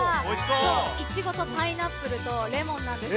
イチゴとパイナップルとレモンなんです。